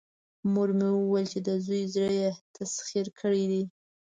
مور يې وويل چې د زوی زړه يې تسخير کړی دی.